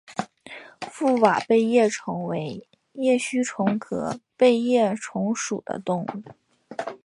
覆瓦背叶虫为叶须虫科背叶虫属的动物。